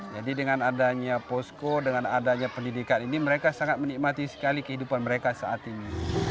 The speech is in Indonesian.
jadi dengan adanya posko dengan adanya pendidikan ini mereka sangat menikmati sekali kehidupan mereka saat ini